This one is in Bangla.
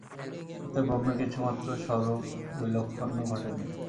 তাতে ব্রহ্মের কিছুমাত্র স্বরূপ-বৈলক্ষণ্য ঘটেনি।